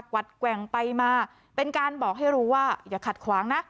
วัดแกว่งไปมาเป็นการบอกให้รู้ว่าอย่าขัดขวางนะ